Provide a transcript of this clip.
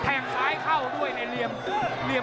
งซ้ายเข้าด้วยในเหลี่ยม